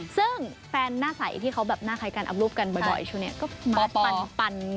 ซึ่งแฟนหน้าใสที่เขาแบบหน้าคล้ายกันอัพรูปกันบ่อยช่วงนี้ก็มาปัน